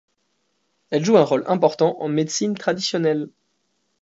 Elle joue un rôle important en médecine traditionnelle.